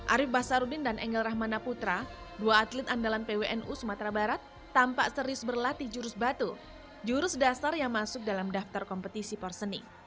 arief basaruddin dan angel rahmana putra dua atlet andalan pwnu sumatera barat tampak serius berlatih jurus batu jurus dasar yang masuk dalam daftar kompetisi porseni